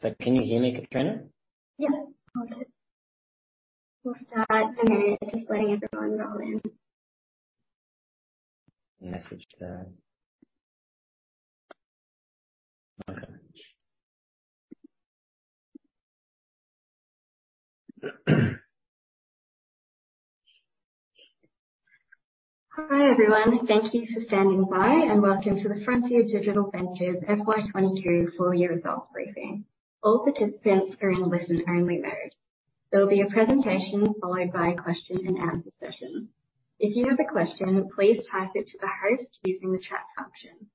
Can you hear me, Katrina? Yeah. All good. We'll start in a minute, just letting everyone roll in. [inaudible] Okay. Hi, everyone. Thank you for standing by, and welcome to the Frontier Digital Ventures FY 2022 full year results briefing. All participants are in listen only mode. There will be a presentation followed by a question-and-answer session. If you have a question, please type it to the host using the chat function.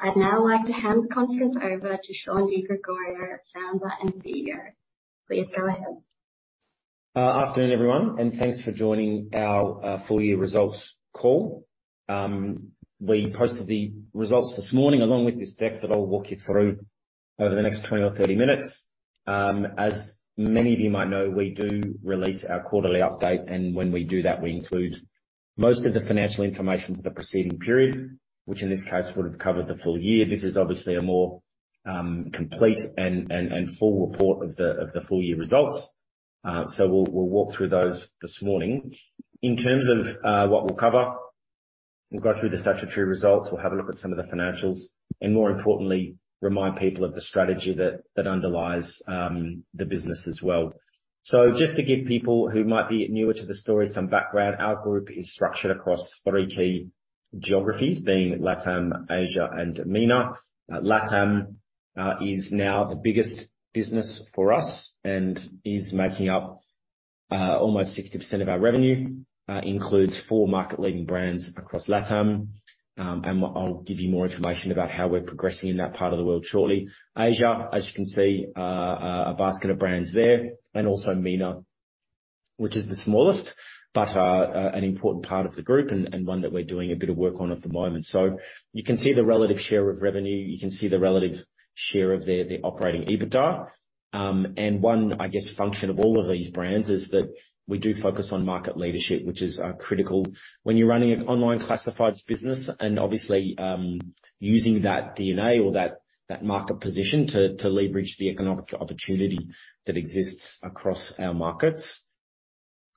I'd now like to hand the conference over to Shaun Di Gregorio, founder and CEO. Please go ahead. Afternoon, everyone. Thanks for joining our full year results call. We posted the results this morning along with this deck that I'll walk you through over the next 20 or 30 minutes. As many of you might know, we do release our quarterly update, and when we do that, we include most of the financial information for the preceding period, which in this case would have covered the full year. This is obviously a more complete and full report of the full year results. We'll walk through those this morning. In terms of what we'll cover, we'll go through the statutory results. We'll have a look at some of the financials and more importantly, remind people of the strategy that underlies the business as well. Just to give people who might be newer to the story some background. Our group is structured across three key geographies being LATAM, Asia and MENA. LATAM is now the biggest business for us and is making up almost 60% of our revenue. Includes four market leading brands across LATAM. I'll give you more information about how we're progressing in that part of the world shortly. Asia, as you can see, a basket of brands there, and also MENA, which is the smallest, but an important part of the group and one that we're doing a bit of work on at the moment. You can see the relative share of revenue. You can see the relative share of their, the operating EBITDA. One, I guess, function of all of these brands is that we do focus on market leadership, which is critical when you're running an online classifieds business and obviously, using that DNA or that market position to leverage the economic opportunity that exists across our markets.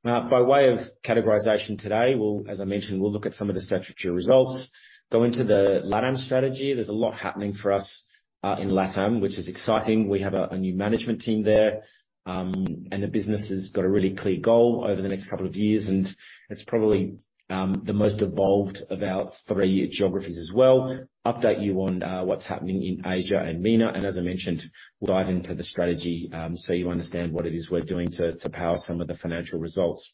By way of categorization today, as I mentioned, we'll look at some of the statutory results, go into the LATAM strategy. There's a lot happening for us in LATAM, which is exciting. We have a new management team there, and the business has got a really clear goal over the next couple of years, and it's probably the most evolved of our three geographies as well. Update you on what's happening in Asia and MENA, as I mentioned, dive into the strategy, so you understand what it is we're doing to power some of the financial results.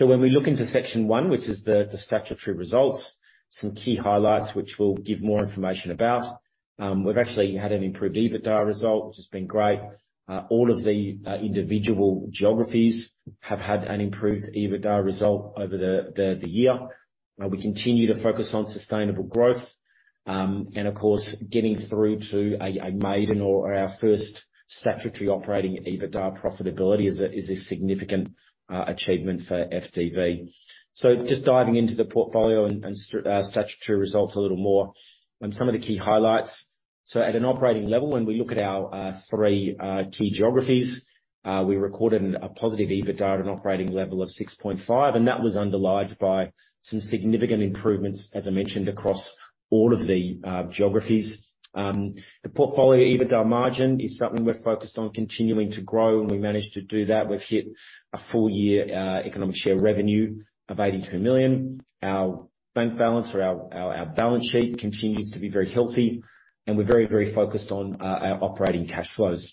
When we look into section one, which is the statutory results, some key highlights which we'll give more information about. We've actually had an improved EBITDA result, which has been great. All of the individual geographies have had an improved EBITDA result over the year. We continue to focus on sustainable growth. Of course, getting through to a maiden or our first statutory operating EBITDA profitability is a significant achievement for FDV. Just diving into the portfolio and statutory results a little more. Some of the key highlights. At an operating level, when we look at our three key geographies, we recorded a positive EBITDA at an operating level of 6.5 million. That was underlied by some significant improvements, as I mentioned, across all of the geographies. The portfolio EBITDA margin is something we're focused on continuing to grow. We managed to do that. We've hit a full year economic share revenue of 82 million. Our bank balance or our balance sheet continues to be very healthy. We're very focused on our operating cash flows.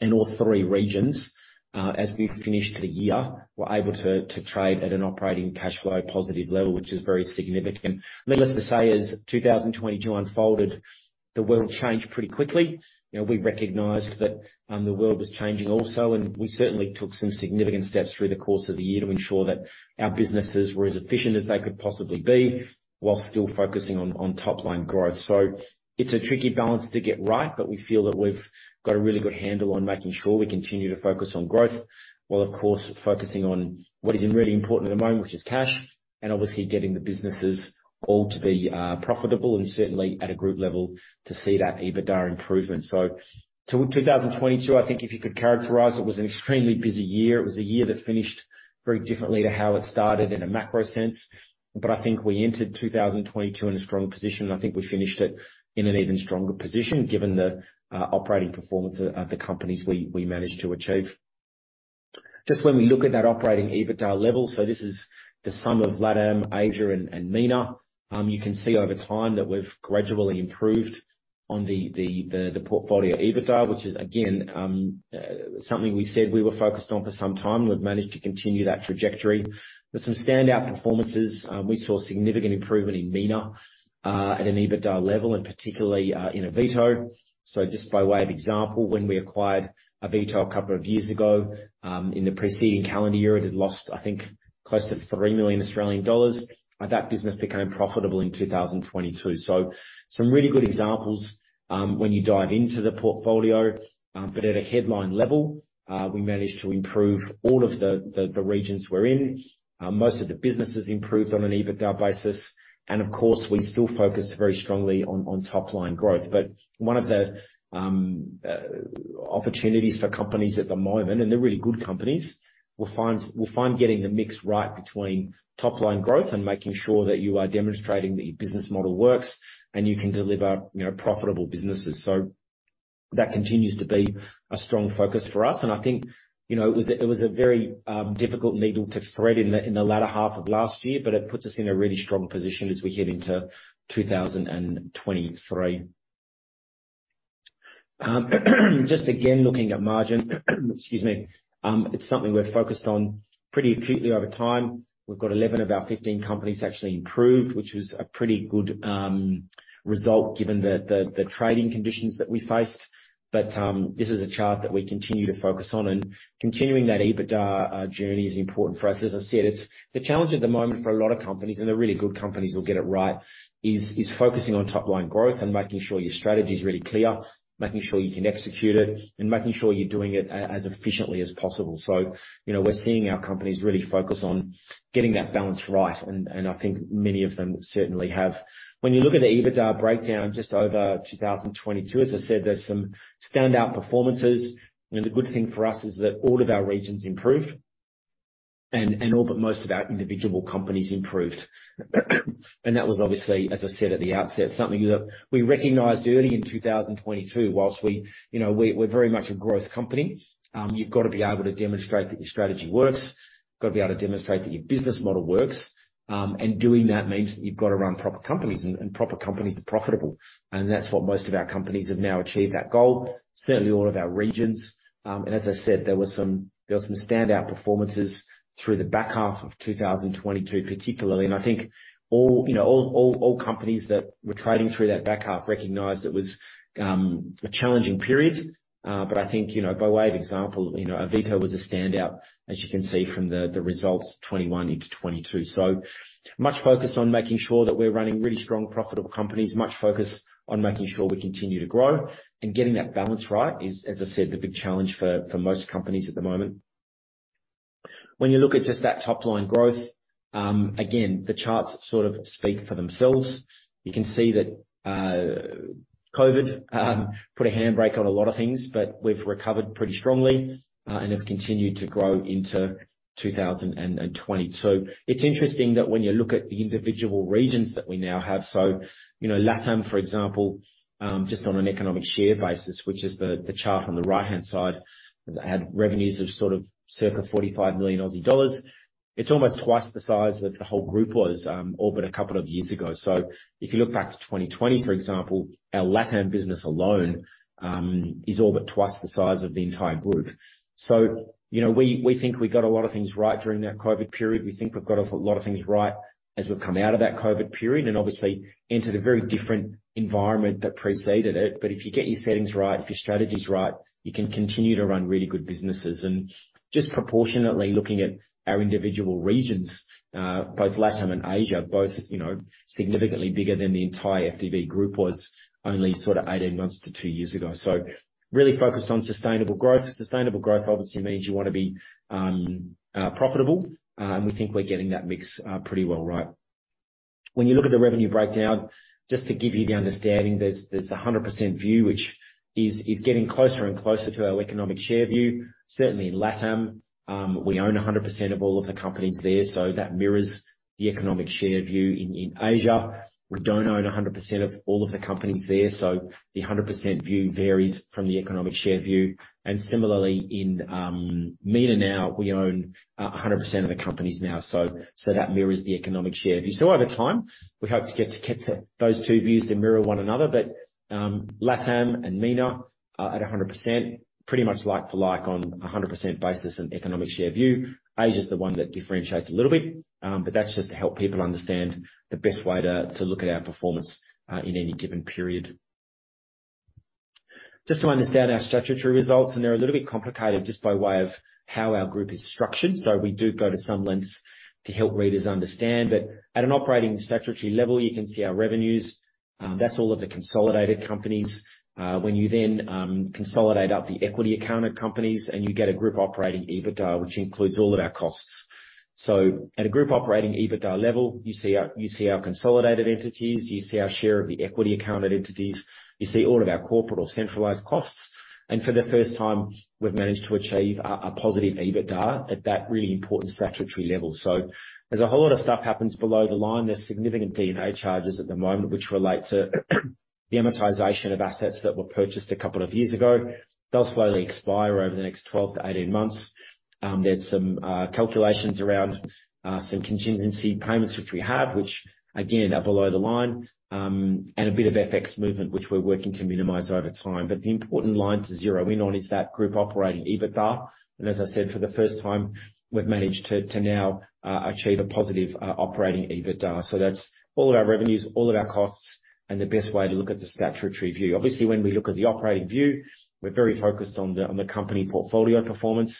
In all three regions, as we finished the year, we're able to trade at an operating cash flow positive level, which is very significant. Needless to say, as 2022 unfolded, the world changed pretty quickly. You know, we recognized that the world was changing also, and we certainly took some significant steps through the course of the year to ensure that our businesses were as efficient as they could possibly be while still focusing on top line growth. It's a tricky balance to get right, but we feel that we've got a really good handle on making sure we continue to focus on growth, while of course, focusing on what is really important at the moment, which is cash and obviously getting the businesses all to be profitable and certainly at a group level to see that EBITDA improvement. 2022, I think if you could characterize it was an extremely busy year. It was a year that finished very differently to how it started in a macro sense. I think we entered 2022 in a strong position. I think we finished it in an even stronger position given the operating performance of the companies we managed to achieve. Just when we look at that operating EBITDA level. This is the sum of LATAM, Asia and MENA. You can see over time that we've gradually improved on the portfolio EBITDA, which is again something we said we were focused on for some time. We've managed to continue that trajectory. There's some standout performances. We saw significant improvement in MENA at an EBITDA level and particularly in Avito. Just by way of example, when we acquired Avito a couple of years ago, in the preceding calendar year, it had lost, I think close to 3 million Australian dollars. That business became profitable in 2022. Some really good examples, when you dive into the portfolio. At a headline level, we managed to improve all of the regions we're in. Most of the businesses improved on an EBITDA basis. Of course, we still focused very strongly on top line growth. One of the Opportunities for companies at the moment, and they're really good companies, will find getting the mix right between top line growth and making sure that you are demonstrating that your business model works and you can deliver, you know, profitable businesses. That continues to be a strong focus for us. I think, you know, it was a, it was a very difficult needle to thread in the latter half of last year, but it puts us in a really strong position as we head into 2023. Just again, looking at margin, excuse me. It's something we're focused on pretty acutely over time. We've got 11 of our 15 companies actually improved, which was a pretty good result given the trading conditions that we faced. This is a chart that we continue to focus on and continuing that EBITDA journey is important for us. As I said, it's the challenge at the moment for a lot of companies, and the really good companies will get it right, is focusing on top line growth and making sure your strategy is really clear, making sure you can execute it, and making sure you're doing it as efficiently as possible. You know, we're seeing our companies really focus on getting that balance right, and I think many of them certainly have. When you look at the EBITDA breakdown just over 2022, as I said, there's some standout performances. You know, the good thing for us is that all of our regions improved and all but most of our individual companies improved. That was obviously, as I said at the outset, something that we recognized early in 2022. Whilst we, you know, we're very much a growth company, you've got to be able to demonstrate that your strategy works. You've got to be able to demonstrate that your business model works. Doing that means that you've got to run proper companies, and proper companies are profitable. That's what most of our companies have now achieved that goal. Certainly all of our regions. As I said, there were some standout performances through the back half of 2022 particularly. I think all, you know, all companies that were trading through that back half recognized it was a challenging period. I think, you know, by way of example, you know, Avito was a standout, as you can see from the results, 21 into 22. Much focus on making sure that we're running really strong profitable companies. Much focus on making sure we continue to grow. Getting that balance right is, as I said, the big challenge for most companies at the moment. When you look at just that top line growth, again, the charts sort of speak for themselves. You can see that COVID put a handbrake on a lot of things, but we've recovered pretty strongly and have continued to grow into 2020. It's interesting that when you look at the individual regions that we now have. You know LATAM for example, just on an economic share basis, which is the chart on the right-hand side, has had revenues of sort of circa 45 million Aussie dollars. It's almost twice the size that the whole group was, all but a couple of years ago. If you look back to 2020, for example, our LATAM business alone, is all but twice the size of the entire group. You know, we think we got a lot of things right during that COVID period. We think we've got a lot of things right as we've come out of that COVID period and obviously into the very different environment that preceded it. If you get your settings right, if your strategy's right, you can continue to run really good businesses. And just proportionately looking at our individual regions, both LATAM and Asia, both, you know, significantly bigger than the entire FDV group was only sort of 18 months to two years ago. Really focused on sustainable growth. Sustainable growth obviously means you wanna be profitable, and we think we're getting that mix pretty well right. When you look at the revenue breakdown, just to give you the understanding, there's a 100% view which is getting closer and closer to our economic share view. Certainly in LATAM, we own 100% of all of the companies there. That mirrors the economic share view. In Asia, we don't own 100% of all of the companies there, so the 100% view varies from the economic share view. Similarly in MENA now we own 100% of the companies now, so that mirrors the economic share view. Over time, we hope to get to those two views to mirror one another. LATAM and MENA are at 100% pretty much like for like on a 100% basis and economic share view. Asia's the one that differentiates a little bit. That's just to help people understand the best way to look at our performance, in any given period. Just to understand our statutory results, they're a little bit complicated just by way of how our group is structured. We do go to some lengths to help readers understand. At an operating statutory level, you can see our revenues, that's all of the consolidated companies. When you then consolidate up the equity accounted companies and you get a group operating EBITDA, which includes all of our costs. At a group operating EBITDA level, you see our, you see our consolidated entities, you see our share of the equity accounted entities, you see all of our corporate or centralized costs. For the first time, we've managed to achieve a positive EBITDA at that really important statutory level. There's a whole lot of stuff happens below the line. There's significant D&A charges at the moment which relate to the amortization of assets that were purchased a couple of years ago. They'll slowly expire over the next 12-18 months. There's some calculations around some contingency payments which we have, which again are below the line, and a bit of FX movement, which we're working to minimize over time. The important line to zero in on is that group operating EBITDA. As I said, for the first time, we've managed to now achieve a positive operating EBITDA. That's all of our revenues, all of our costs, and the best way to look at the statutory view. Obviously, when we look at the operating view, we're very focused on the company portfolio performance.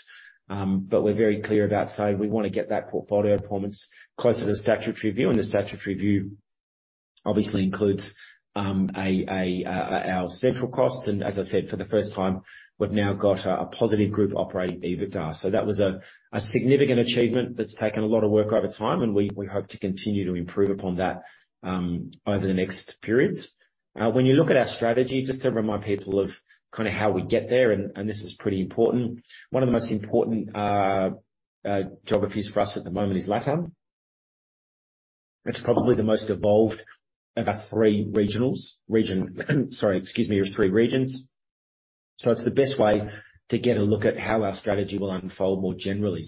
We're very clear about saying we wanna get that portfolio performance closer to the statutory view. The statutory view obviously includes our central costs. As I said, for the first time, we've now got a positive group operating EBITDA. That was a significant achievement that's taken a lot of work over time and we hope to continue to improve upon that over the next periods. When you look at our strategy, just to remind people of kinda how we get there, and this is pretty important. One of the most important geographies for us at the moment is LATAM. It's probably the most evolved of our three regionals. Sorry, excuse me. Our three regions. It's the best way to get a look at how our strategy will unfold more generally.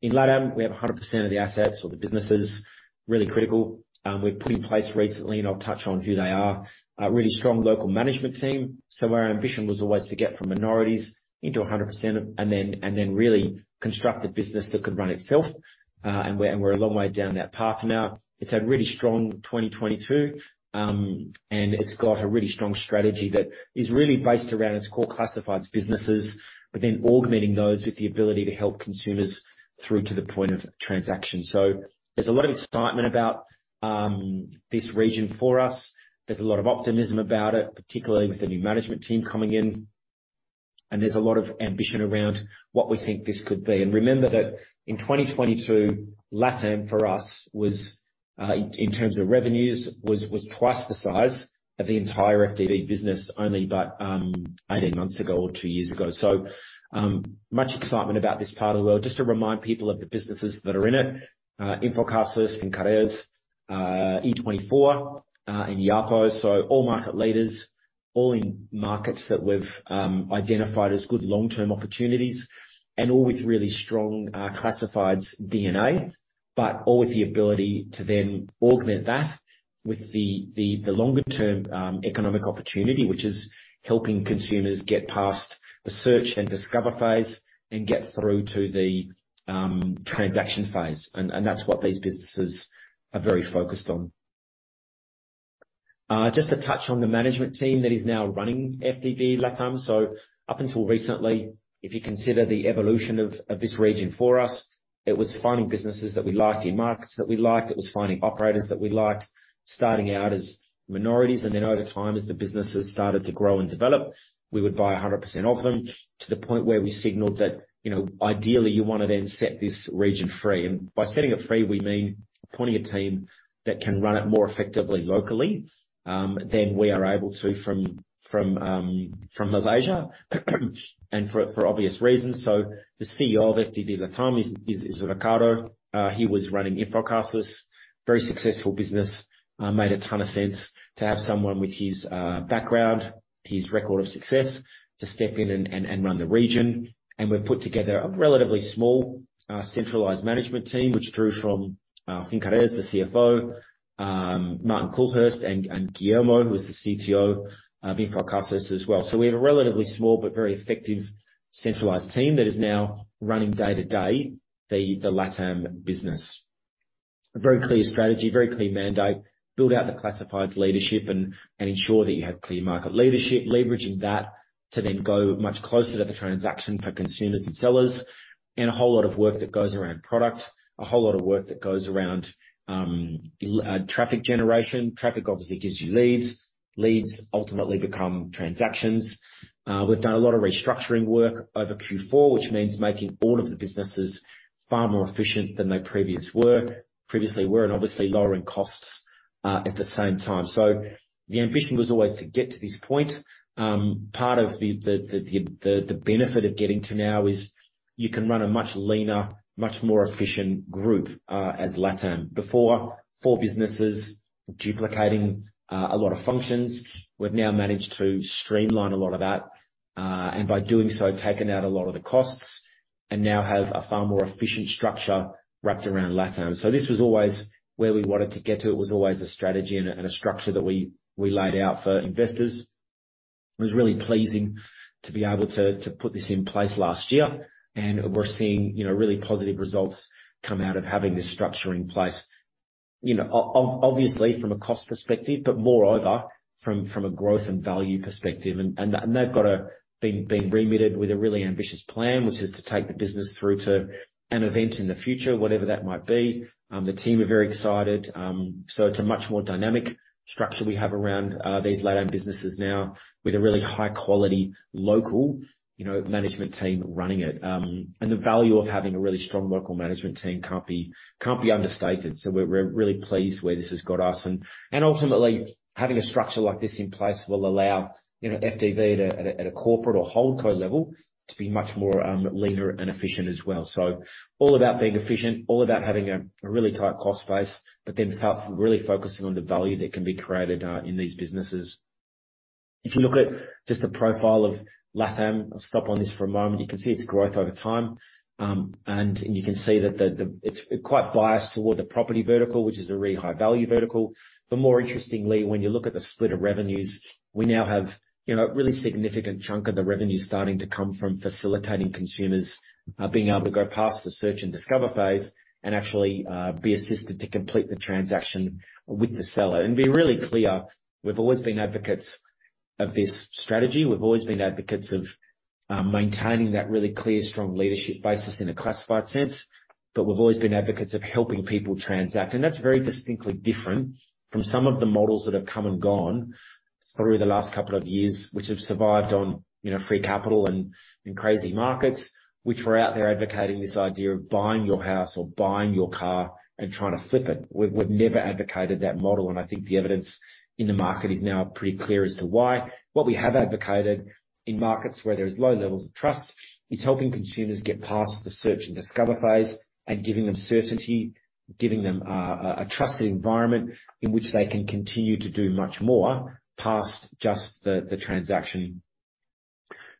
In LATAM, we have 100% of the assets or the businesses, really critical. We've put in place recently, and I'll touch on who they are, a really strong local management team. Our ambition was always to get from minorities into 100% and then really construct a business that could run itself. We're a long way down that path now. It's had really strong 2022, and it's got a really strong strategy that is really based around its core classifieds businesses, but then augmenting those with the ability to help consumers through to the point of transaction. There's a lot of excitement about this region for us. There's a lot of optimism about it, particularly with the new management team coming in, and there's a lot of ambition around what we think this could be. Remember that in 2022, FDV LATAM, for us, was in terms of revenues, twice the size of the entire FDV business only about 18 months ago or two years ago. Much excitement about this part of the world. Just to remind people of the businesses that are in it. InfoCasas, Fincaraíz, Encuentra24, and Yapo. All market leaders, all in markets that we've identified as good long-term opportunities and all with really strong classifieds DNA, but all with the ability to then augment that with the longer term economic opportunity, which is helping consumers get past the search and discover phase and get through to the transaction phase. That's what these businesses are very focused on. Just to touch on the management team that is now running FDV LATAM. Up until recently, if you consider the evolution of this region for us, it was finding businesses that we liked in markets that we liked. It was finding operators that we liked, starting out as minorities. Over time, as the businesses started to grow and develop, we would buy 100% of them, to the point where we signaled that, you know, ideally, you wanna then set this region free. By setting it free, we mean appointing a team that can run it more effectively locally than we are able to from Malaysia. For obvious reasons. The CEO of FDV LATAM is Ricardo. He was running InfoCasas, very successful business. Made a ton of sense to have someone with his background, his record of success, to step in and run the region. We've put together a relatively small centralized management team, which drew from Fincaraíz, the CFO, Martin Coulthurst and Guillermo, who was the CTO of InfoCasas as well. We have a relatively small but very effective centralized team that is now running day-to-day the LATAM business. A very clear strategy, very clear mandate. Build out the classifieds leadership and ensure that you have clear market leadership, leveraging that to then go much closer to the transaction for consumers and sellers. A whole lot of work that goes around product, a whole lot of work that goes around traffic generation. Traffic obviously gives you leads. Leads ultimately become transactions. We've done a lot of restructuring work over Q4, which means making all of the businesses far more efficient than they previously were, and obviously lowering costs at the same time. The ambition was always to get to this point. Part of the benefit of getting to now is you can run a much leaner, much more efficient group as LATAM. Before, four businesses duplicating a lot of functions. We've now managed to streamline a lot of that, and by doing so, taken out a lot of the costs and now have a far more efficient structure wrapped around LATAM. This was always where we wanted to get to. It was always a strategy and a structure that we laid out for investors. It was really pleasing to be able to put this in place last year. We're seeing, you know, really positive results come out of having this structure in place. You know, obviously from a cost perspective, but moreover from a growth and value perspective. They've got been remitted with a really ambitious plan, which is to take the business through to an event in the future, whatever that might be. The team are very excited. It's a much more dynamic structure we have around these LATAM businesses now with a really high quality local, you know, management team running it. The value of having a really strong local management team can't be understated. We're really pleased where this has got us. Ultimately, having a structure like this in place will allow, you know, FDV at a corporate or whole co level to be much leaner and efficient as well. All about being efficient, all about having a really tight cost base, but then really focusing on the value that can be created in these businesses. If you look at just the profile of LATAM, I'll stop on this for a moment. You can see its growth over time. You can see that it's quite biased toward the property vertical, which is a really high value vertical. More interestingly, when you look at the split of revenues, we now have, you know, a really significant chunk of the revenue starting to come from facilitating consumers, being able to go past the search and discover phase and actually, be assisted to complete the transaction with the seller. Be really clear, we've always been advocates of this strategy. We've always been advocates of maintaining that really clear strong leadership basis in a classified sense. We've always been advocates of helping people transact. That's very distinctly different from some of the models that have come and gone through the last couple of years, which have survived on, you know, free capital and crazy markets, which were out there advocating this idea of buying your house or buying your car and trying to flip it. We've never advocated that model. I think the evidence in the market is now pretty clear as to why. What we have advocated in markets where there is low levels of trust is helping consumers get past the search and discover phase and giving them certainty. Giving them a trusted environment in which they can continue to do much more past just the transaction.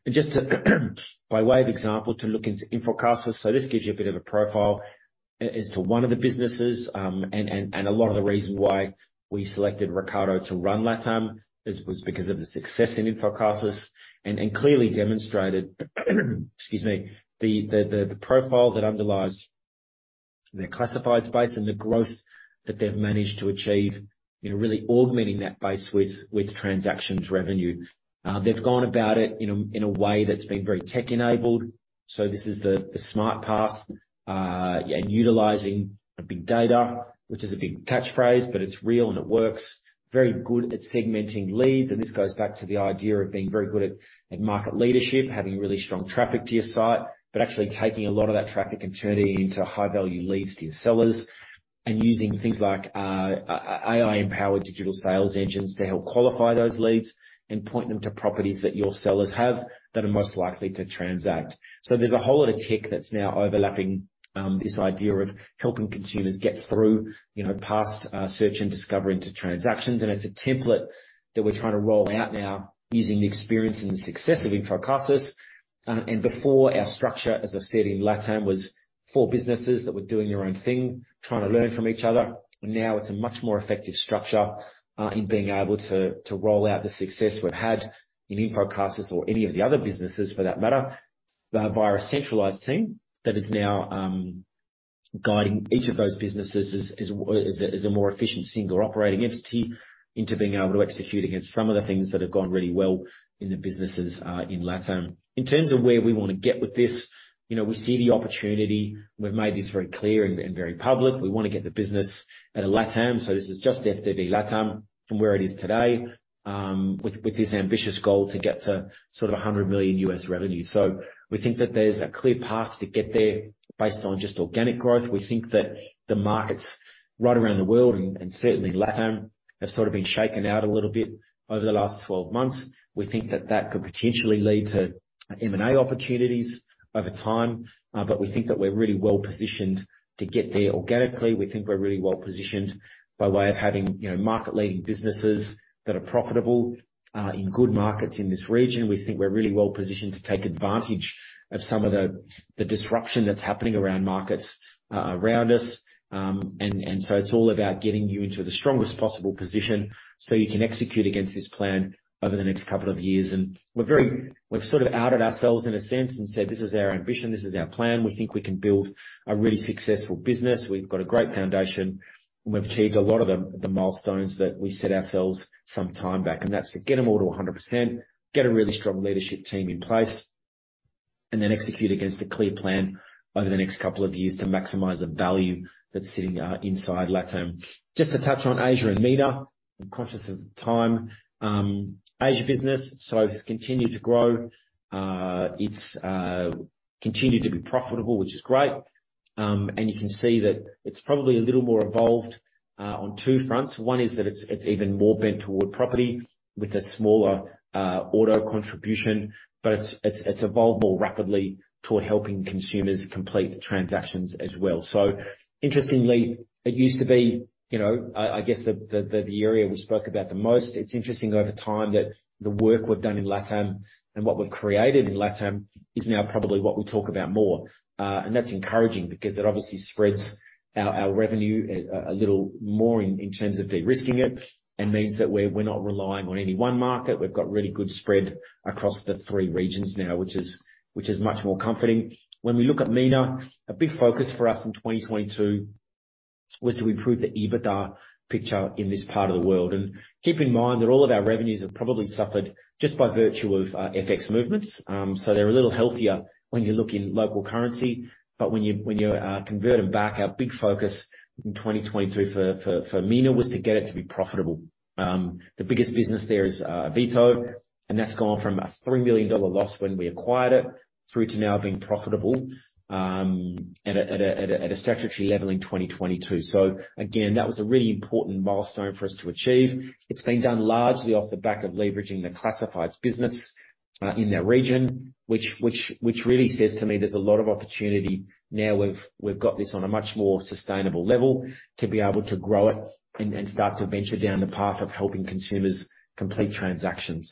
Just to by way of example, to look into InfoCasas. This gives you a bit of a profile as to one of the businesses, and a lot of the reason why we selected Ricardo to run LATAM is, was because of the success in InfoCasas. Clearly demonstrated, excuse me. The profile that underlies the classified space and the growth that they've managed to achieve in really augmenting that base with transactions revenue. They've gone about it in a way that's been very tech-enabled. This is the SmartPath, and utilizing big data, which is a big catchphrase, but it's real and it works. Very good at segmenting leads. This goes back to the idea of being very good at market leadership, having really strong traffic to your site. Actually taking a lot of that traffic and turning it into high value leads to your sellers. Using things like AI-empowered digital sales engines to help qualify those leads and point them to properties that your sellers have that are most likely to transact. There's a whole lot of tech that's now overlapping, this idea of helping consumers get through, you know, past search and discover into transactions. It's a template that we're trying to roll out now using the experience and the success of InfoCasas. Before our structure, as I said in FDV LATAM, was four businesses that were doing their own thing, trying to learn from each other. Now it's a much more effective structure in being able to roll out the success we've had in InfoCasas or any of the other businesses for that matter via a centralized team that is now guiding each of those businesses as a more efficient single operating entity into being able to execute against some of the things that have gone really well in the businesses in FDV LATAM. In terms of where we wanna get with this. You know, we see the opportunity. We've made this very clear and very public. We wanna get the business out of FDV LATAM. This is just FDV LATAM from where it is today, with this ambitious goal to get to sort of $100 million U.S. Revenue. We think that there's a clear path to get there based on just organic growth. We think that the markets right around the world, and certainly LATAM, have sort of been shaken out a little bit over the last 12 months. We think that that could potentially lead to M&A opportunities over time. We think that we're really well-positioned to get there organically. We think we're really well-positioned by way of having, you know, market-leading businesses that are profitable, in good markets in this region. We think we're really well-positioned to take advantage of some of the disruption that's happening around markets around us. It's all about getting you into the strongest possible position so you can execute against this plan over the next couple of years. We've sort of outed ourselves in a sense and said, "This is our ambition, this is our plan." We think we can build a really successful business. We've got a great foundation. We've achieved a lot of the milestones that we set ourselves some time back. That's to get them all to 100%, get a really strong leadership team in place, and then execute against a clear plan over the next couple of years to maximize the value that's sitting inside LATAM. Just to touch on Asia and MENA. I'm conscious of the time. Asia business, so it has continued to grow. It's continued to be profitable, which is great. You can see that it's probably a little more evolved on two fronts. One is that it's even more bent toward property with a smaller auto contribution, but it's evolved more rapidly toward helping consumers complete transactions as well. Interestingly, it used to be, you know, I guess the area we spoke about the most. It's interesting over time that the work we've done in LATAM and what we've created in LATAM is now probably what we talk about more. That's encouraging because it obviously spreads our revenue a little more in terms of de-risking it. Means that we're not relying on any one market. We've got really good spread across the three regions now, which is much more comforting. When we look at MENA, a big focus for us in 2022 was to improve the EBITDA picture in this part of the world. Keep in mind that all of our revenues have probably suffered just by virtue of FX movements. They're a little healthier when you look in local currency, but when you convert them back, our big focus in 2022 for MENA was to get it to be profitable. The biggest business there is Avito, and that's gone from a $3 million loss when we acquired it, through to now being profitable at a statutory level in 2022. Again, that was a really important milestone for us to achieve. It's been done largely off the back of leveraging the classifieds business in that region, which really says to me there's a lot of opportunity now we've got this on a much more sustainable level to be able to grow it and start to venture down the path of helping consumers complete transactions.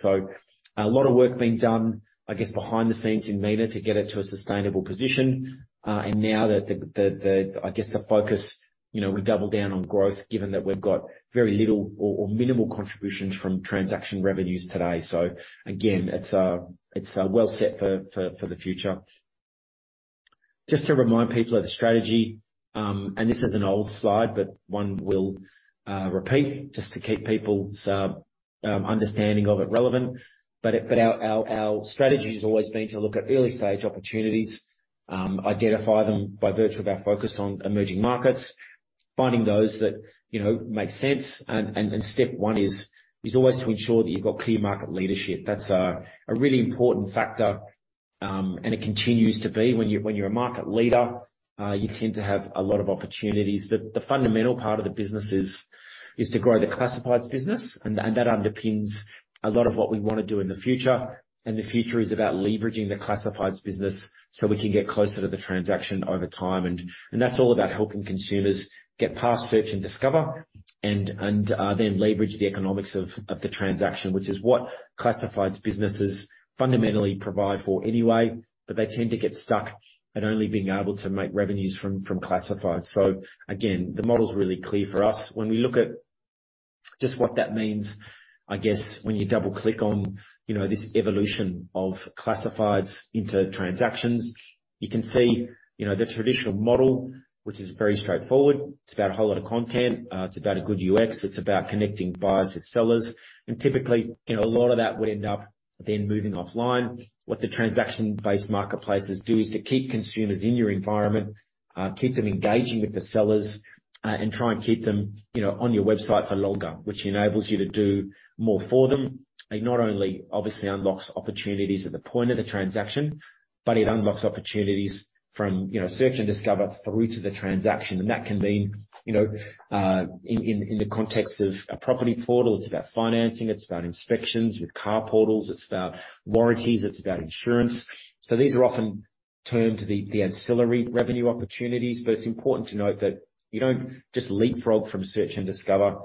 A lot of work being done, I guess, behind the scenes in MENA to get it to a sustainable position. Now that the, I guess the focus, you know, we double down on growth given that we've got very little or minimal contributions from transaction revenues today. Again, it's well set for the future. Just to remind people of the strategy. This is an old slide, but one we'll repeat just to keep people's understanding of it relevant. Our, our strategy has always been to look at early-stage opportunities, identify them by virtue of our focus on emerging markets. Finding those that, you know, make sense. Step one is always to ensure that you've got clear market leadership. That's a really important factor, and it continues to be. When you're a market leader, you tend to have a lot of opportunities. The fundamental part of the business is to grow the classifieds business. That underpins a lot of what we wanna do in the future. The future is about leveraging the classifieds business, so we can get closer to the transaction over time. That's all about helping consumers get past search and discover. Then leverage the economics of the transaction, which is what classifieds businesses fundamentally provide for anyway. They tend to get stuck at only being able to make revenues from classified. Again, the model's really clear for us. When we look at just what that means. I guess when you double-click on, you know, this evolution of classifieds into transactions. You can see, you know, the traditional model, which is very straightforward. It's about a whole lot of content. It's about a good UX. It's about connecting buyers with sellers. Typically, you know, a lot of that would end up then moving offline. What the transaction-based marketplaces do is to keep consumers in your environment, keep them engaging with the sellers, and try and keep them, you know, on your website for longer, which enables you to do more for them. It not only obviously unlocks opportunities at the point of the transaction, but it unlocks opportunities from, you know, search and discover through to the transaction. That can mean, you know, in the context of a property portal, it's about financing, it's about inspections. With car portals, it's about warranties, it's about insurance. These are often termed the ancillary revenue opportunities. It's important to note that you don't just leapfrog from search and discover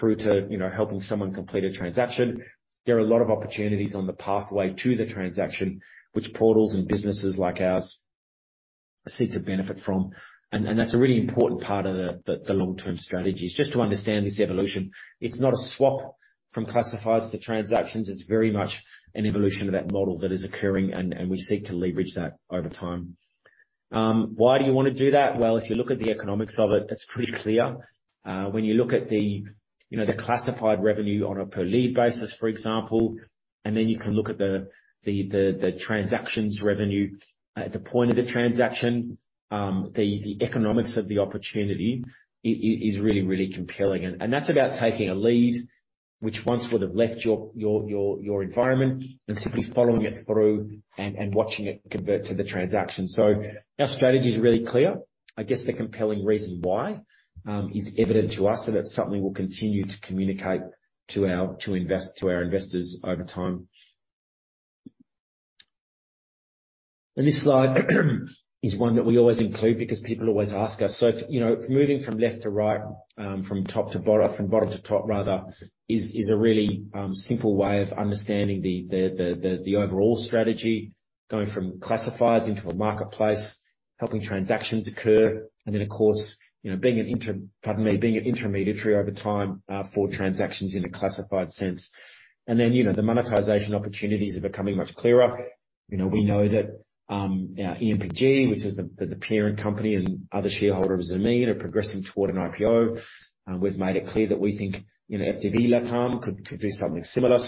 through to, you know, helping someone complete a transaction. There are a lot of opportunities on the pathway to the transaction which portals and businesses like ours seek to benefit from. That's a really important part of the long-term strategy, is just to understand this evolution. It's not a swap from classifieds to transactions. It's very much an evolution of that model that is occurring, and we seek to leverage that over time. Why do you wanna do that? Well, if you look at the economics of it's pretty clear. When you look at the, you know, the classified revenue on a per lead basis, for example, and then you can look at the transactions revenue at the point of the transaction. The economics of the opportunity is really compelling. That's about taking a lead, which once would have left your environment and simply following it through and watching it convert to the transaction. Our strategy is really clear. I guess the compelling reason why is evident to us, and that's something we'll continue to communicate to our investors over time. This slide is one that we always include because people always ask us. You know, moving from left to right, from bottom to top rather, is a really simple way of understanding the overall strategy going from classifieds into a marketplace, helping transactions occur, and then of course, you know, being an intermediary over time for transactions in a classified sense. You know, the monetization opportunities are becoming much clearer. You know, we know that, our EMPG, which is the parent company and other shareholders, I mean, are progressing toward an IPO. We've made it clear that we think, you know, FDV LATAM could do something similar.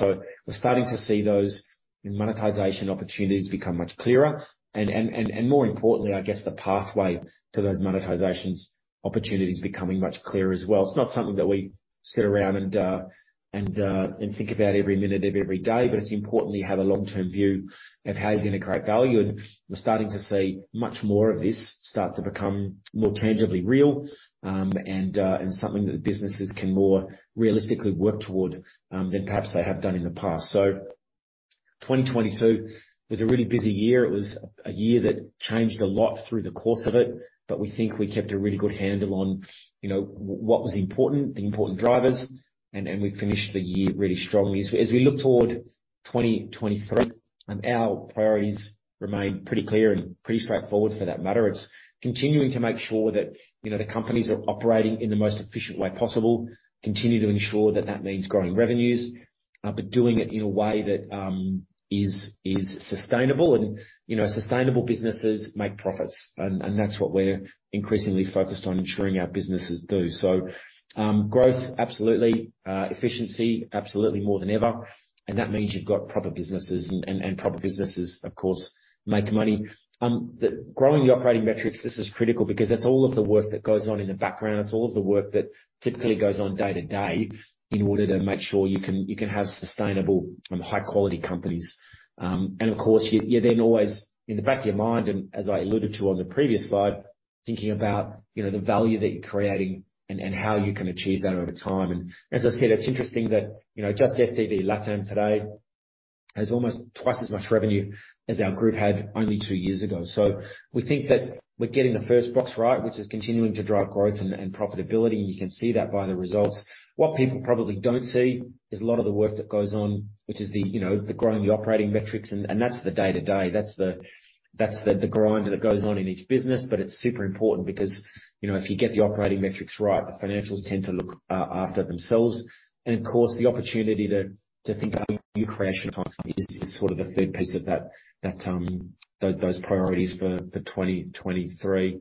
We're starting to see those monetization opportunities become much clearer. More importantly, I guess the pathway to those monetizations opportunities becoming much clearer as well. It's not something that we sit around and think about every minute of every day. It's important that you have a long-term view of how you're gonna create value. We're starting to see much more of this start to become more tangibly real, and something that businesses can more realistically work toward than perhaps they have done in the past. 2022 was a really busy year. It was a year that changed a lot through the course of it. We think we kept a really good handle on, you know, what was important, the important drivers, and we finished the year really strongly. As we look toward 2023, our priorities remain pretty clear and pretty straightforward for that matter. It's continuing to make sure that, you know, the companies are operating in the most efficient way possible, continue to ensure that that means growing revenues, but doing it in a way that is sustainable and, you know, sustainable businesses make profits. That's what we're increasingly focused on ensuring our businesses do. Growth, absolutely. Efficiency, absolutely, more than ever. That means you've got proper businesses and proper businesses of course make money. The growing the operating metrics, this is critical because that's all of the work that goes on in the background. It's all of the work that typically goes on day to day in order to make sure you can have sustainable and high-quality companies. Of course, you then always, in the back of your mind, and as I alluded to on the previous slide, thinking about, you know, the value that you're creating and how you can achieve that over time. As I said, it's interesting that, you know, just FDV LATAM today has almost twice as much revenue as our group had only two years ago. We think that we're getting the first box right, which is continuing to drive growth and profitability. You can see that by the results. What people probably don't see is a lot of the work that goes on, which is the, you know, the growing the operating metrics. That's the day to day. That's the grind that goes on in each business. It's super important because, you know, if you get the operating metrics right, the financials tend to look after themselves. Of course, the opportunity to think of new creation types is sort of the third piece of those priorities for 2023.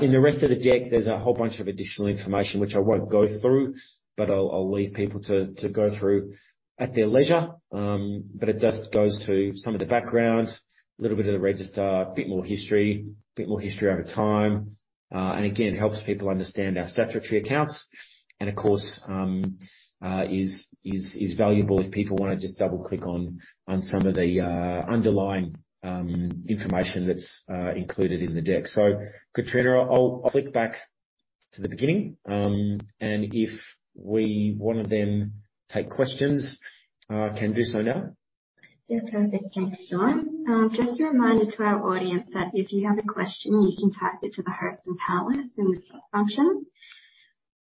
In the rest of the deck, there's a whole bunch of additional information which I won't go through, but I'll leave people to go through at their leisure. It just goes to some of the background, a little bit of the register, a bit more history, a bit more history over time. Again, helps people understand our statutory accounts and of course, is valuable if people wanna just double-click on some of the underlying information that's included in the deck. Katrina, I'll click back to the beginning. If we wanna then take questions, can do so now. Yeah. Perfect. Thanks, Shaun. Just a reminder to our audience that if you have a question, you can type it to the Host and panelists in this function.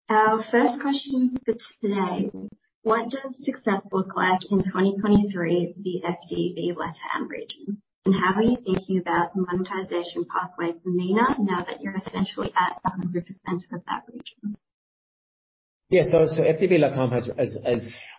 Our first question for today: What does success look like in 2023 via FDV LATAM region? How are you thinking about monetization pathways for MENA now that you're essentially at, group center of that region? FDV LATAM has,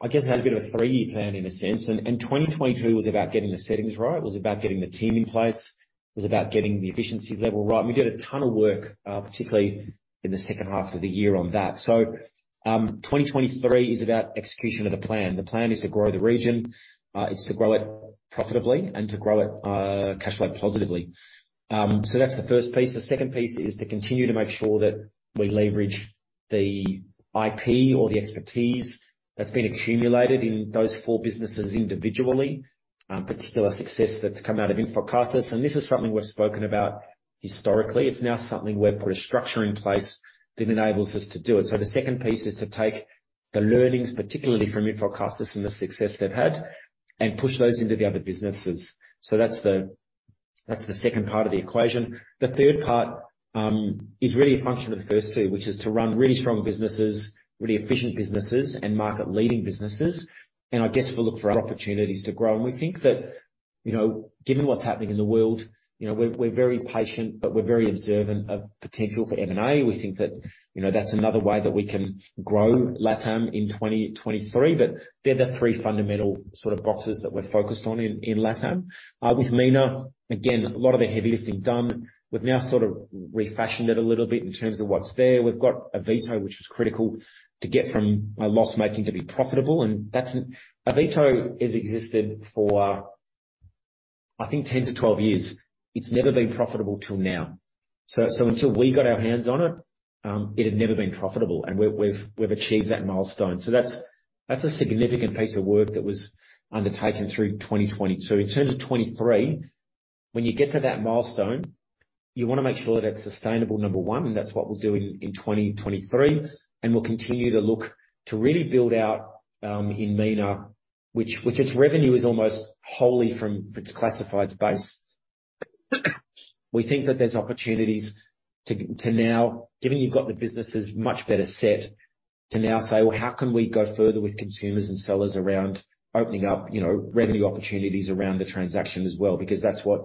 I guess, has a bit of a three-year plan in a sense. 2022 was about getting the settings right. It was about getting the team in place. It was about getting the efficiency level right. We did a ton of work, particularly in the second half of the year on that. 2023 is about execution of the plan. The plan is to grow the region. It's to grow it profitably and to grow it, cashflow positively. That's the first piece. The second piece is to continue to make sure that we leverage the IP or the expertise that's been accumulated in those four businesses individually. Particular success that's come out of InfoCasas. This is something we've spoken about historically. It's now something we've put a structure in place that enables us to do it. The second piece is to take the learnings, particularly from InfoCasas and the success they've had, and push those into the other businesses. That's the second part of the equation. The third part is really a function of the first two, which is to run really strong businesses, really efficient businesses and market-leading businesses. I guess we'll look for opportunities to grow. We think that, you know, given what's happening in the world, you know, we're very patient, but we're very observant of potential for M&A. We think that, you know, that's another way that we can grow LATAM in 2023. They're the three fundamental sort of boxes that we're focused on in LATAM. With MENA, again, a lot of the heavy lifting done. We've now sort of refashioned it a little bit in terms of what's there. We've got Avito, which was critical to get from a loss-making to be profitable. Avito has existed for, I think 10-12 years. It's never been profitable till now. Until we got our hands on it had never been profitable. We've achieved that milestone. That's a significant piece of work that was undertaken through 2020. In terms of 2023, when you get to that milestone, you wanna make sure that it's sustainable, number one. That's what we'll do in 2023. We'll continue to look to really build out in MENA, which its revenue is almost wholly from its classifieds base. We think that there's opportunities to now Given you've got the businesses much better set to now say, "Well, how can we go further with consumers and sellers around opening up, you know, revenue opportunities around the transaction as well?" Because that's what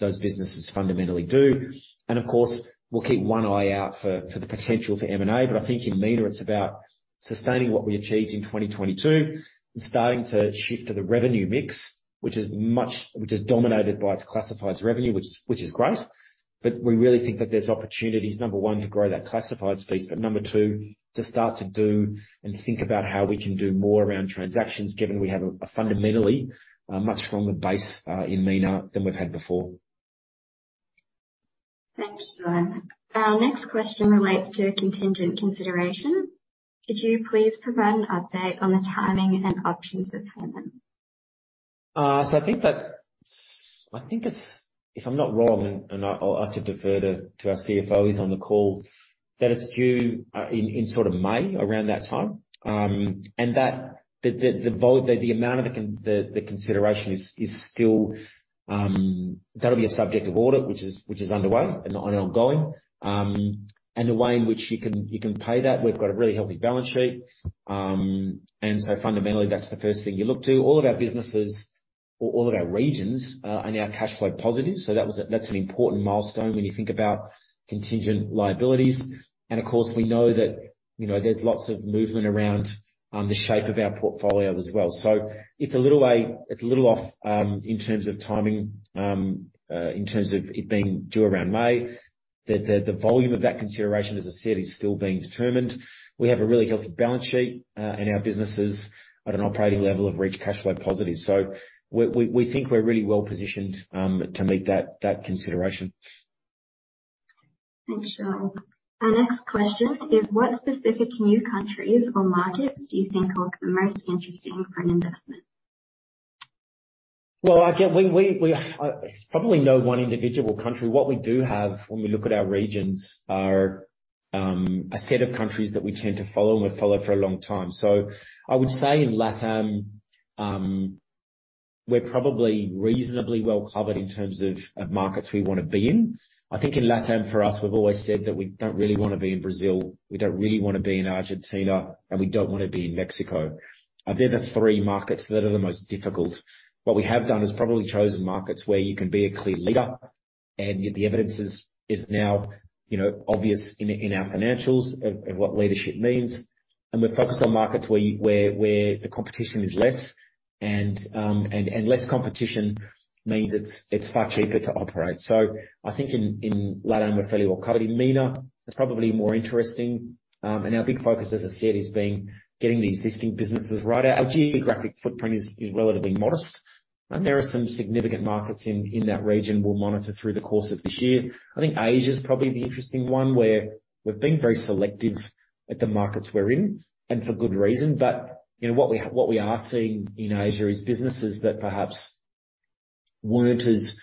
those businesses fundamentally do. Of course, we'll keep one eye out for the potential for M&A. I think in MENA it's about sustaining what we achieved in 2022 and starting to shift to the revenue mix, which is dominated by its classifieds revenue, which is great. We really think that there's opportunities, number one, to grow that classifieds piece. number two, to start to do and think about how we can do more around transactions, given we have a fundamentally much stronger base in MENA than we've had before. Thank you. Our next question relates to a contingent consideration. Could you please provide an update on the timing and options for payment? I think that's, I think it's, if I'm not wrong, and I'll have to defer to our CFO, he's on the call. That it's due in sort of May, around that time. That, the amount of the contingent consideration is still. That'll be a subject of audit, which is underway and ongoing. The way in which you can pay that, we've got a really healthy balance sheet. Fundamentally, that's the first thing you look to. All of our businesses or all of our regions are now cash flow positive. That's an important milestone when you think about contingent liabilities. Of course, we know that, you know, there's lots of movement around the shape of our portfolio as well. It's a little way, it's a little off in terms of timing in terms of it being due around May. The volume of that consideration, as I said, is still being determined. We have a really healthy balance sheet, and our businesses at an operating level have reached cash flow positive. We think we're really well-positioned to meet that consideration. Thanks, Shaun. Our next question is, what specific new countries or markets do you think look the most interesting for an investment? Well, it's probably no one individual country. What we do have when we look at our regions are a set of countries that we tend to follow, and we've followed for a long time. I would say in LATAM, we're probably reasonably well covered in terms of markets we wanna be in. I think in LATAM, for us, we've always said that we don't really wanna be in Brazil, we don't really wanna be in Argentina, and we don't wanna be in Mexico. They're the three markets that are the most difficult. What we have done is probably chosen markets where you can be a clear leader, and the evidence is now, you know, obvious in our financials of what leadership means. We're focused on markets where the competition is less and less competition means it's far cheaper to operate. I think in LATAM, we're fairly well covered. In MENA, it's probably more interesting. Our big focus, as I said, has been getting the existing businesses right. Our geographic footprint is relatively modest. There are some significant markets in that region we'll monitor through the course of this year. I think Asia is probably the interesting one where we've been very selective at the markets we're in, and for good reason. you know, what we are seeing in Asia is businesses that perhaps weren't as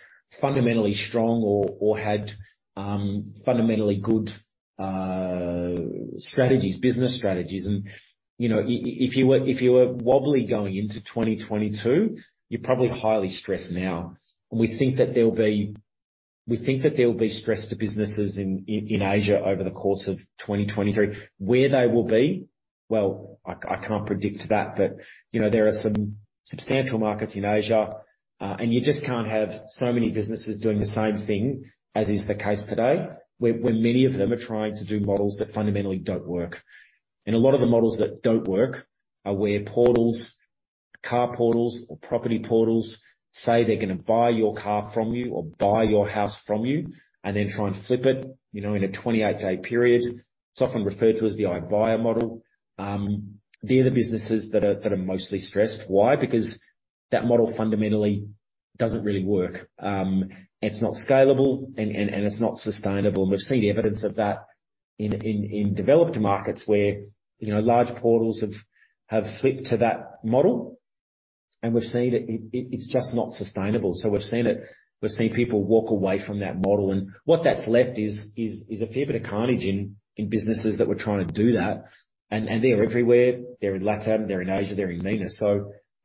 fundamentally strong or had fundamentally good strategies, business strategies. You know, if you were wobbly going into 2022, you're probably highly stressed now. We think that there'll be stress to businesses in Asia over the course of 2023. Where they will be? Well, I can't predict that. You know, there are some substantial markets in Asia. You just can't have so many businesses doing the same thing as is the case today, where many of them are trying to do models that fundamentally don't work. A lot of the models that don't work are where portals, car portals or property portals say they're gonna buy your car from you or buy your house from you, and then try and flip it, you know, in a 28-day period. It's often referred to as the iBuyer model. They're the businesses that are mostly stressed. Why? Because that model fundamentally doesn't really work. It's not scalable and it's not sustainable. We've seen evidence of that in developed markets where, you know, large portals have flipped to that model. We've seen it's just not sustainable. We've seen it. We've seen people walk away from that model. What that's left is a fair bit of carnage in businesses that were trying to do that. They're everywhere. They're in LATAM, they're in Asia, they're in MENA.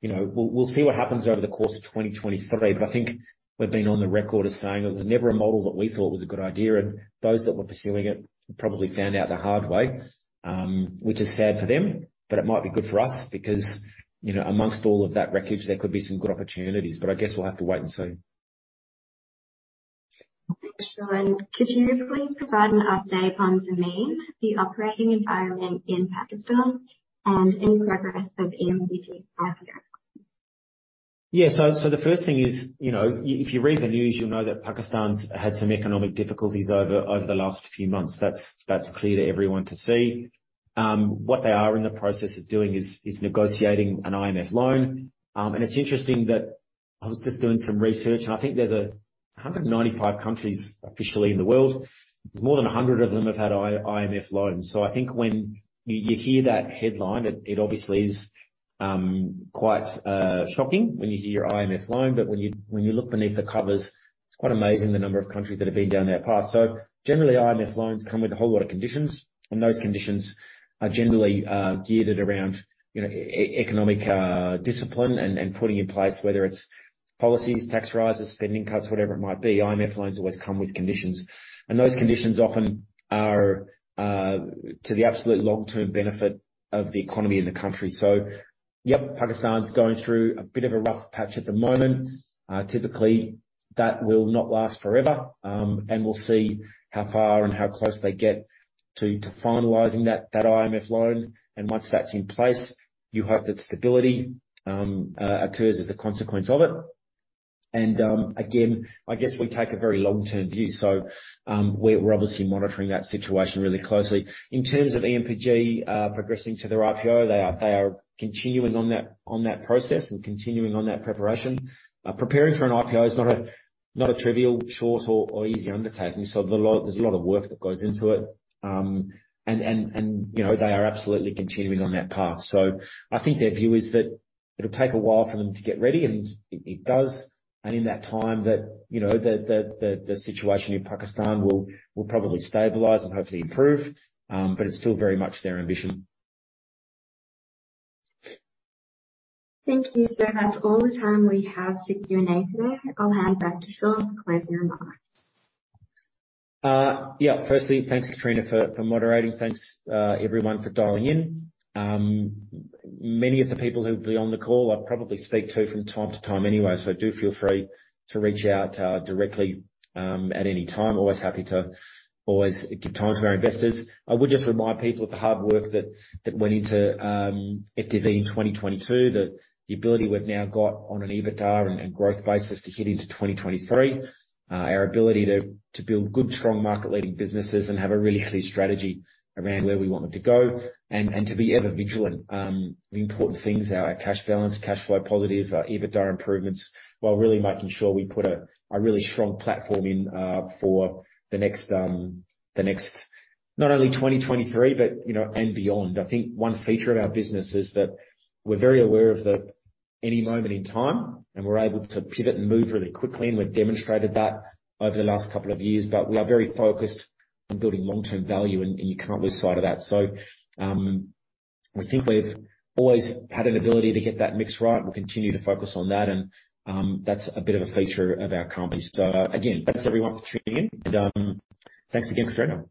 You know, we'll see what happens over the course of 2023. I think we've been on the record as saying it was never a model that we thought was a good idea. Those that were pursuing it probably found out the hard way, which is sad for them, but it might be good for us because, you know, amongst all of that wreckage, there could be some good opportunities. I guess we'll have to wait and see. Thanks, Shaun. Could you please provide an update on Zameen, the operating environment in Pakistan and any progress with EMPG out there? Yeah. The first thing is, you know, if you read the news, you'll know that Pakistan's had some economic difficulties over the last few months. That's clear to everyone to see. What they are in the process of doing is negotiating an IMF loan. It's interesting that I was just doing some research, and I think there's 195 countries officially in the world. More than 100 of them have had IMF loans. I think when you hear that headline, it obviously is quite shocking when you hear IMF loan. When you look beneath the covers, it's quite amazing the number of countries that have been down that path. Generally, IMF loans come with a whole lot of conditions, and those conditions are generally geared around, you know, economic discipline and putting in place whether it's policies, tax rises, spending cuts, whatever it might be. IMF loans always come with conditions, and those conditions often are to the absolute long-term benefit of the economy in the country. Yep, Pakistan's going through a bit of a rough patch at the moment. Typically that will not last forever. We'll see how far and how close they get to finalizing that IMF loan. Once that's in place, you hope that stability occurs as a consequence of it. Again, I guess we take a very long-term view. We're obviously monitoring that situation really closely. In terms of EMPG progressing to their IPO. They are continuing on that process and continuing on that preparation. Preparing for an IPO is not a, not a trivial, short or easy undertaking. There's a lot of work that goes into it. You know, they are absolutely continuing on that path. I think their view is that it'll take a while for them to get ready, and it does. In that time that, you know, the situation in Pakistan will probably stabilize and hopefully improve. It's still very much their ambition. Thank you. That's all the time we have for Q&A today. I'll hand back to Shaun to close your remarks. Yeah. Firstly, thanks, Katrina, for moderating. Thanks, everyone for dialing in. Many of the people who've been on the call I probably speak to from time to time anyway. Do feel free to reach out directly at any time. Always happy to give time to our investors. I would just remind people of the hard work that went into FDV in 2022, the ability we've now got on an EBITDA and growth basis to head into 2023. Our ability to build good, strong market-leading businesses and have a really clear strategy around where we want them to go and to be ever vigilant. The important things are our cash balance, cash flow positive, our EBITDA improvements, while really making sure we put a really strong platform in for the next, the next not only 2023 but, you know, and beyond. I think one feature of our business is that we're very aware of the any moment in time, and we're able to pivot and move really quickly, and we've demonstrated that over the last couple of years. We are very focused on building long-term value, and you can't lose sight of that. We think we've always had an ability to get that mix right. We'll continue to focus on that and that's a bit of a feature of our company. Again, thanks everyone for tuning in and thanks again, Katrina.